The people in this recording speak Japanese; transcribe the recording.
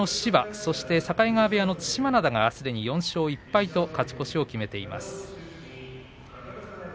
そして境川部屋の對馬洋がすでに４勝１敗と勝ち越しを決めています。